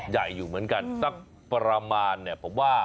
ใหญ่อยู่เหมือนกันสักประมาณเนี่ยผมว่า